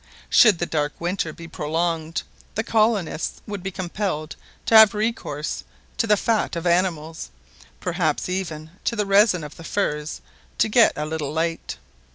Should the dark winter be prolonged, the colonists would be compelled to have recourse to the fat of animals, perhaps even to the resin of the firs, to get a little light.